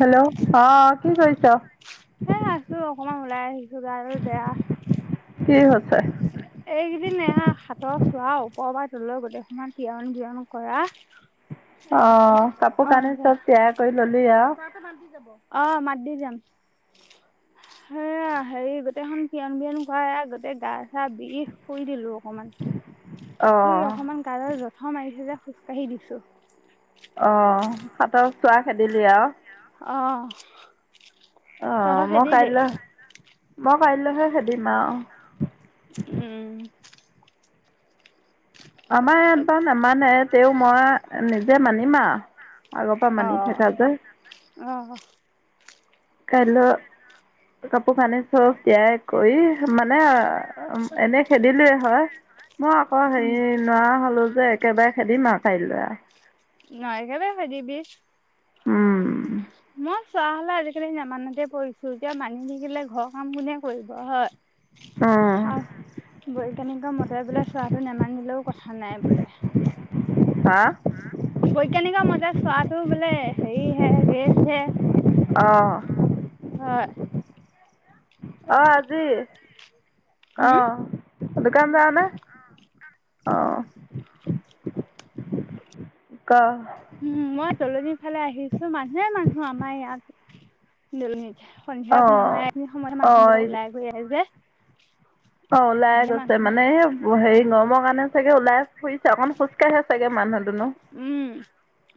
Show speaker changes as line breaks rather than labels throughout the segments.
Hello আহ কি কৰিছ
এ আছো অকমান ওলাই আহিছো গা ডাল বেয়া
কি হৈছে
এইকেইদিন এয়া হাতৰ চোৱা ওপৰৰ পৰা তল গোটেই সমান তিয়ন জিয়ণ কৰা
অ কাপোৰ কানি চব তিয়াই কৰি ললি আউ
এ মাত দি যাব অ মাত দি যাম সেয়া হেৰি গোটেইখন তিয়ন বিয়ন কৰাই গোটেই গাৰ গা বিষ শুই দিলো অকমান
অ
শুই অকমান জঁথৰ মাৰি যে খোজ কাঢ়ি দিছোঁ
অ হাতৰ চোৱা খেদিলি আউ
অহঁ
অ মই কাইলৈ মই কাইলৈহে খেদিম আউ
উম
আমাৰ ইয়াত বাৰু নামানে তেওঁ মই নিজে মানিম আও আগৰ পৰা
অ
মানি থকা যে
অ
কাইলৈ কাপোৰ কানি চব তিয়াই কৰি মানে উম এনে খেদিলো হয় মই আকৌ
উম
হেৰি নোৱাৰা হলো যে একেবাৰে খেদিম আৰু কাইলৈ আৰু
অ একেবাৰে খেদিবি উম মই চোৱা হলে আজিকালি নামানোতে পৰিছো এতিয়া মানি থাকিলে ঘৰ কাম কোনে কৰিব হয়
উম,
আ বৈজ্ঞানিকৰ মতে বোলে চোৱাটো নেমানিলেও কথা কথা নাই বোলে
হা
বৈজ্ঞানিকৰ মতে চোৱাটো বোলে হেৰিহে ৰেছ হে
অ
উম হয়
অ আজি অ
হুম
দোকান যাওঁনে অ ক
উম মই দলনিৰ ফালে আহিছো মানুহে মানুহ আমাৰ ইয়াত দলনিত
অঁ
সন্ধিয়া
অঁ
নহয় এইখিনি সময়ত
অঁ
মানুহবিলাক ওলাই গৈ ঘূৰে যে
অ ওলাই
ধেৰ
গৈছে
মানুহ
মানে সেই হেৰি গৰমৰ কাৰণে চাগে ওলাই ফুৰিছে অকন খোজ কাঢ়ে চাগে মানুহ দুনো
উম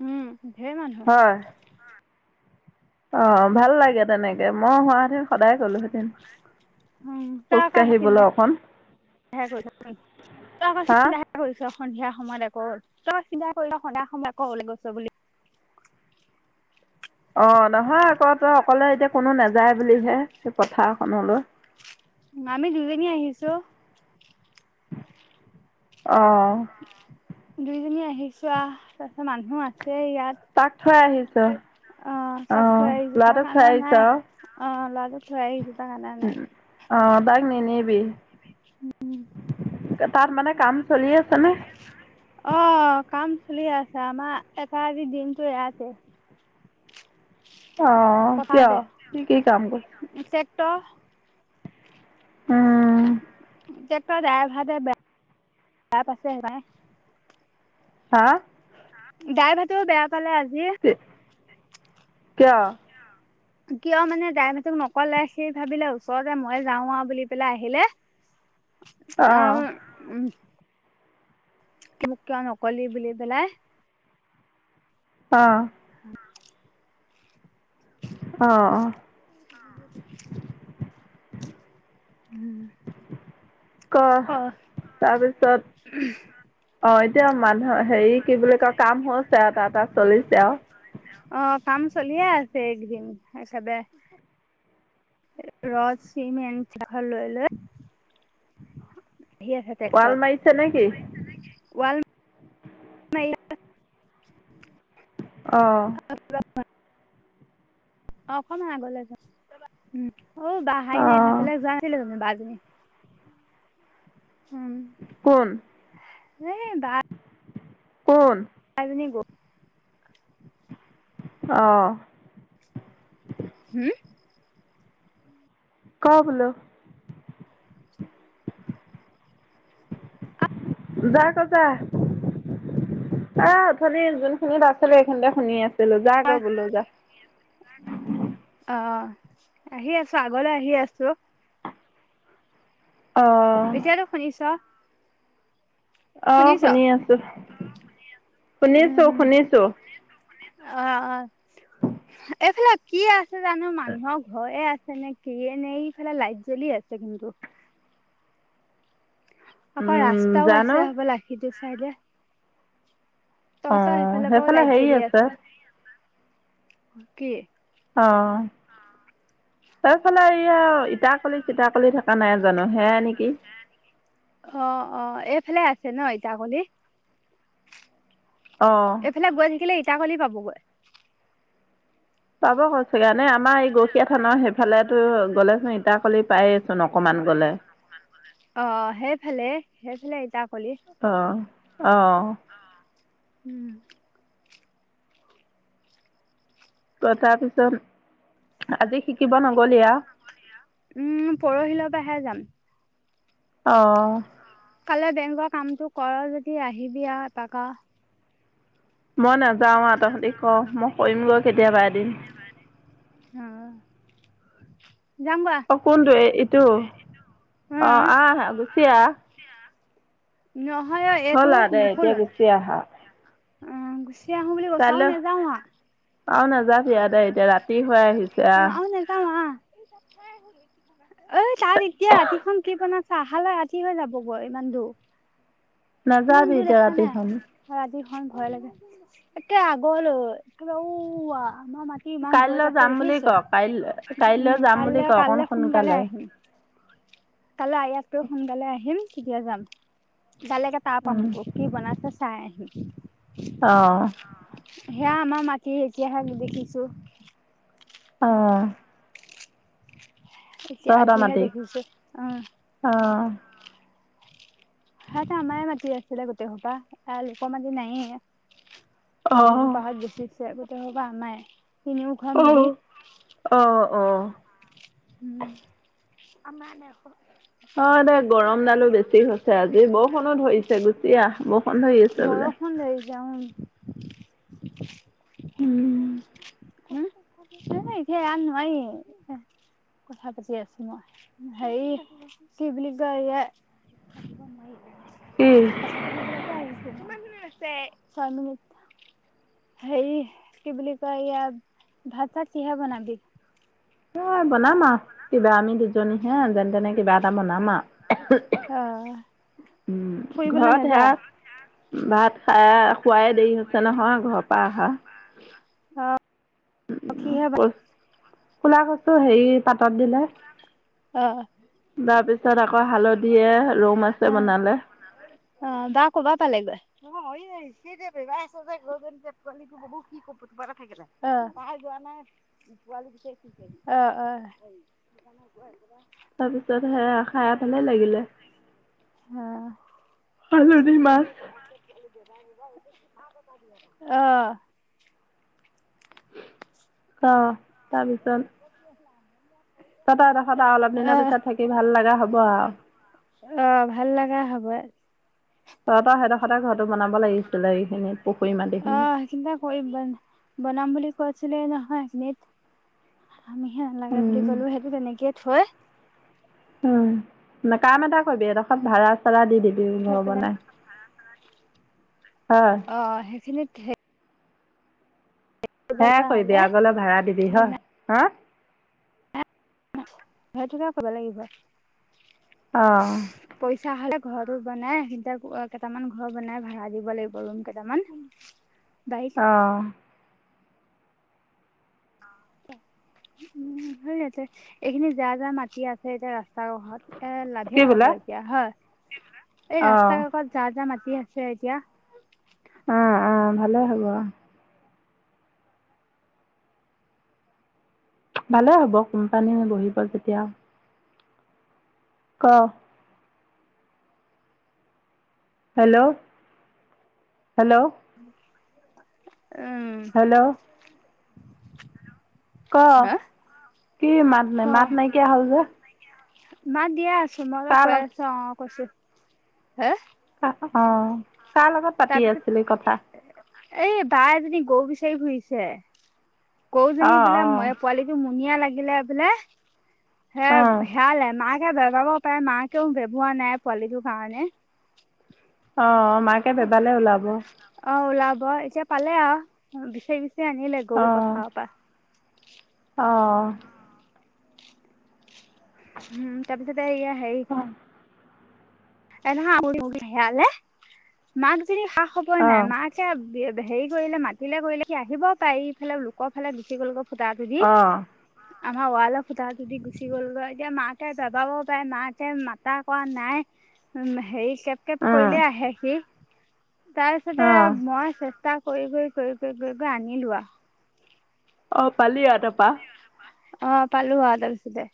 উম ধেৰ মানুহ
হয় অ ভাল লাগে তেনেকে মই হোৱাহেতেন সদায় গলোহেতেন
উম [unintelligible] ওলাই ফুৰিছ সন্ধিয়া সময়ত আকৌ
হা
তই চিন্তা কৰিলে সন্ধিয়া সময় আকৌ ওলাই গৈছ বুলি
অ নহয় আকৌ তই অকলে এতিয়া কোনো নাযায় বুলিহে পথাৰখনলৈ
আমি দুজনী আহিছো
অ
দুইজনী আহিছো আৱ তাৰপিছত মানুহ আছে ইয়াত
তাক থৈ আহিছ অ
তাক থৈ আহিছো তাক
লৰাটোক থৈ
অনা নাই
আহিছ
অ লৰাটোক থৈ আহিছো তাক অনা নাই
অ তাক নিনিবি তাত মানে কাম চলি আছে নে
অ কাম চলি আছে আমাৰ এটা আজি দিনটো ইয়াতে
অ কিয় সি কি কাম কৰে
টেক্টৰ
উম
ট্ৰেক্টৰ ড্ৰাইভাৰটোয়ে বেয়া বেয়া পাইছে হপাই
হা
ড্ৰাইভাৰটোয়ে বেয়া পালে আজি
কিয়
কিয় মানে ড্ৰাইভাৰতোক নকলে সি ভাবিলে ওচৰতে যে মই যাও আৱ বুলি পেলাই আহিলে
[inaudible] অ'
আৰু উম মোক কিয় নকলি বুলি পেলাই
অ অ অ
[inaudible]
ক তাৰপিছত, অ এতিয়া মানুহ হেৰি কি বুলি কয় কাম হৈছে আৰু এটা এটা চলিছে আউ।
অ কাম চলিয়ে আছে এইকেইদিন একেবাৰে। ৰদ চিমণ্ট ভাল লৈ লৈ। আহি
ওৱাল মাৰিছে নে কি?
ওৱাল মাৰি আছে।
অঁ
[inaudible] অ অকমান আগলৈ যা উ অ বা আহাই নাই
অ'
সেইফালে যোৱা আছিলে জানো বা জনী।
কোন?
এই বা।
কোন?
[unintelligible]
অঁ
হম।
ক বোলো। যাগৈ যা। এ অথনি যোনখিনিত আছিলো সেইখিনিতে শুনি আছিলো যা গৈ বোলো যা।
অ আহি আছো আগলৈ আহি আছো।
অ
এতিয়াতো শুনিছ?
আহ
শুনিছ
শুনি আছো,
উম
শুনিছো
উম
শুনিছো।
অ অ এইফালেক, কি আছে জানো মানুহৰ ঘৰে আছে নে কিয়ে নে ইফালে লাইট জ্বলি আছে কিন্তু। আকৌ
উম
ৰাস্তাও আছে
জানো
হবলা সিটো চাইদে। তহঁতৰ
অঁ
সেইফালৰ পৰাও
সেইফালে
লাইট
হেৰি
জ্বলি আছে। কি
অ এইফালে এইয়া ইটা কলি চিতাকলি থকা নাই। জানো হেয়া নেকি?
অ অ এইফালে আছে ন ইটাখুলি।
অ
এপিনে গৈ থাকিলে ইটাখুলি পাবগৈ।
পাব গৈ ছাগে এনে আমাৰ এই গৰখীয়াা থানৰ সেইফালেতো গ'লেচোন ইটা কলি পাইছোন। অকণমান গ'লে।
অ সেইফালে সেইফালে ইটা কলি।
অ অ
উম
কথাতটো আজি শিকিব নগলি আউ।
উম পৰহিলৰ পৰাহে যাম।
অ
কাইলে বেংকৰ কামটো কৰ যদি আহিবি আৰু এপাক আও।
মই নাযাওঁ আৰু তহঁতি কৰ মই কৰিমগৈ কেতিয়াবা এদিন।
অ যাম বা।
অ কোনটো এ ইটো অ আহ আহ গুচি আহ।
নহয় অ
হ'ল
এইটো
আহ দে
নুখুল।
এতিয়া আহা।
এতিয়া আহো বুলি কৈছা আৰু নাযাওঁ মই
আৰু নাযাবি আৰু দে এতিয়া ৰাতি হৈ আহিছে
অ
আহ।
আৰু নাযাওঁ আহ।
[inaudible]
এই তাত এতিয়া ৰাতিখন কি বনাইছা খালে ৰাতি হৈ যাবগৈ ইমান দূৰ। ইমান
নাযাবি
দূৰ
এতিয়া
দেখা নাই।
ৰাতিখন
ৰাতিখন ভয় লাগে একে আগলৈ ওৱা আমাৰ মা টি ইমান
কাইলৈ
দূৰত আছে
যাম বুলি ক
দেখিছ
কাইলৈ কাইলৈ
উম
যাম বুলি ক
কাইলৈ
অকণ
কাইলৈ সোনকালে আহিম। কাইলৈ আহি আছো সোনকালে আহিম তেতিয়া যাম যালেকে তাৰ
উম
পাম গৈ। কি বনাইছে চাই আহিম।
অহ
সেয়া আমাৰ মাটি এতিয়াহে দেখিছো।
অঁহ
এতিয়া আজিহে দেখিছো অঁ।
অহ
সিয়াতে আমাৰে মাটি আছিলে গোটেই সোপা লোকৰ মাটি নাইয়ে।
অ
যি হোপাহঁত দেখিছে গোটেই হোপা আমাৰে তিনিও ঘৰৰ
অ
মিলি
অ অ।
উম আমাৰ [unintelligible]
হয় দে গৰমডালো বেছি হৈছে আজি। বৰষুণো ধৰিছে গুচি আহ, বৰষুণ ধৰি আছে বোলে।
বৰষুণ ধৰিছে উম। হম‌
উম
এ এতিয়া ইয়াত নোৱাৰি। কথা পাতি আছো মই, হেৰি কি বুলি কয় ইয়া‌ [inaudible]
কি?
চাকি দিবলৈকে আহিছো মই ছয় মিনিট। হেৰি কি বুলি ইয়া ভাত চাত কিহে বনাবি?
এ বনাম আৰু কিবা আমি দুজনীহে যেনে তেনে কিবা এটা বনাম আৰু।
অহ
উম ঘৰত সেয়া ভাত খাই খোৱাই দেৰি হৈছে নহয় ঘৰৰ পৰা আহা।
অ কিহে ভাত
কচু কুলা কচু হেৰি পাতত দিলে।
অহ
তাৰ পিছত আকৌ হালধিয়ে ৰৌ মাছে বনালে।
অঁ তাই কবা পালেগৈ [unintelligible] [unintelligible] থাকিলে আহ তাই যোৱা নাই পোৱালি বিছাৰি ফুৰিছে। অ অ। সেইকাৰণে গৈ একেবাৰে
তাৰপিছত সেয়া খাই ভালে লাগিলে।
অ
হালধি মাছ
অহ
অহ তাৰপিছত
[unintelligible]
তাত আৰু এইদসত অলপ
অ
দিনৰ পিছত থাকি ভাল লগা হ'ব আৰু।
অ', ভাল লগা হ'ব।
তহঁত সেইদসতে ঘৰতো বনাব লাগিছিলে এইখিনি পুখুৰী মাটিখিনি।
পুখুৰী বন বনাম বুলি কৈছিলে নহয় সেইখিনিত। আমি হে নালাগে বুলি
উম
ক'লো সেইটো তেনেকে থৈ
উম, কাম এটা কৰিবি এইডোখৰত ভড়া চাড়া দি দিবি
থৈ
ঘৰ
পেলাই
বনাই। অ'।
অ', সেইখিনিত কৰিব লগা
সেয়াই কৰিবি
হলে
আগলৈ ভাড়া দিবি হয়
বনাই
হা।
সেইটোকে ক'ব লাগিব।
অ'।
পইচা হ'লে ঘৰটো বনাই সেইখিনিতে কেইটামান ঘৰ বনাই ভাড়া দিব লাগিব ৰুম কেইটামান। [inaudible]
অ'।
উম, সেই ইয়াতে এইখিনিত যাৰ যাৰ মাটি আছে এতিয়া ৰাস্তা [unintelligible] এ
কি
লাভে
বোলে
হ'ব এতিয়া হয় এই
অঁ
ৰাস্তা কাষত যাৰ যাৰ মাটি আছে এতিয়া।
অ', অ', ভালে হ'ব ভালে হ'ব কোম্পানী বহিব যেতিয়া। ক। Hello hello.
উম।
হেল্ল'। ক
হা
কি মাত
ক
নাই মাত মাত নাইকিয়া হ'ল যে?
মাত দিয়ে আছো মই
কাৰ
কৈ
লগ
আছো অ' অ' কৈছো হা।
অ'।
তাৰপিছত এ বা এজনী গৰু বিচাৰি ঘুৰিছে। গৰুজনী
অঁ
বোলে
অঁ
পোৱালিটো মুনিয়া লাগিলে বোলে। হে
অঁ
হেয়ালে মাকে বেবাব পাৰে মাকেও বেবোৱা নাই পোৱালিটোৰ কাৰণে।
অ', মাকে বেবালে ওলাব।
অ', ওলাব এতিয়া পালে আৰু বিচাৰি বিচাৰি আনিলে গৰু পথাৰৰ পৰা।
অ'।
উম, তাৰপিছতে এইয়া হেৰি
[inaudible]
[unintelligible] হেয়ালে মাক জনী খা খবৰে নাই
অ',
মাক এয়া হেৰি কৰিলে মাতিলে কৰিলে কি আহিব পাৰি ইফালে লোকফালে গুছি গৈ। ফুটাটো দি। আমাৰ ৱালৰ ফুটাটো দি গুচি গ'লগৈ এতিয়া মাকাকে বেবাব পাৰে মাকে মাতা কৰা নাই। উম, হেৰি কেব কেব কৰিলে
উম,
আহে সি। তাৰপিছতে
অ'।
আৰু মই চেষ্টা কৰি কৰি কৰি কৰি কৰি আনিলো আৰু।
অ', পালি আৰু তাৰপা।
অ', পালো আৰু তাৰপিছতে।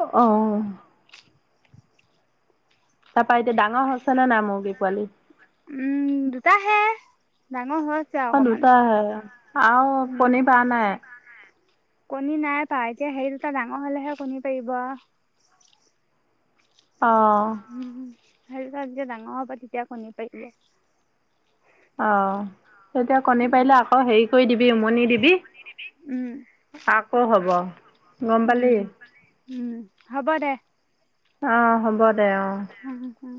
অ', অ', অ'। তাৰপা এতিয়া ডাঙৰ হৈছে নে নাই মুৰ্গী পোৱালি?
উম, দুটা হে ডাঙৰ হৈ
অ দুটা আহে আৰু
উম
কনী পাৰা নাই?
কণী নাই পাৰা এতিয়া হেৰি দুটা ডাঙৰ হলেহে কণী পাৰিব আও।
অ'।
উম, হেৰি যেতিয়া ডাঙৰ হ'ব তেতিয়া কণী পাৰিলে।
অ এতিয়া কণী
উম,
পাৰিলে আকৌ হেৰি কৰি দিবি উমনি দিবি।
উম
আকৌ হ'ব, গম পালি।
উম, উম হ'ব দে।
অঁ, হ'ব দে অঁ।
উম উম